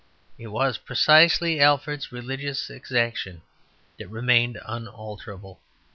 It was precisely Alfred's religious exaction that remained unalterable.